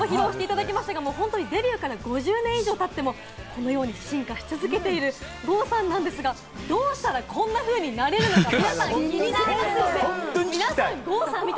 パフォーマンス披露していただけましたが、デビューから５０年経っても、進化し続けている郷さんなんですが、どうしたらこんなふうになれるのか、皆さん気になりますよね？